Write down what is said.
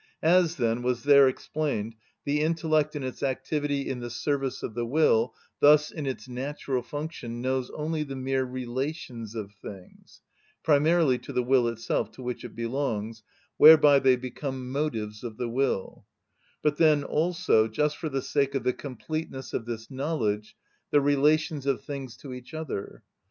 As, then, was there explained, the intellect in its activity in the service of the will, thus in its natural function, knows only the mere relations of things; primarily to the will itself, to which it belongs, whereby they become motives of the will; but then also, just for the sake of the completeness of this knowledge, the relations of things to each other.